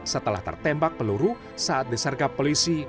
setelah tertembak peluru saat disergap polisi